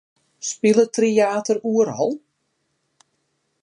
Spilet Tryater oeral?